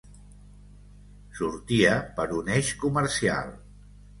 Sortia per un Eix comercial.